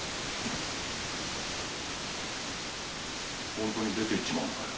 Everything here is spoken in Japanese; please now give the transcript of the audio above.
本当に出て行っちまうのかよ。